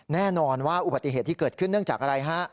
แน่นอนว่าอุบัติเหตุที่เกิดขึ้นเนื่องจากอะไรฮะ